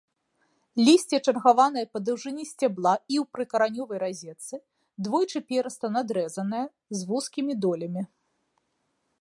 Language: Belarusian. Лісце чаргаванае па даўжыні сцябла і ў прыкаранёвай разетцы, двойчыперыста-надрэзанае, з вузкім долямі.